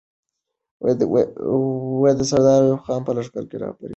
سردار ایوب خان به لښکر رهبري کوي.